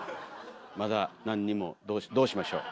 まだなんにもどうしましょう？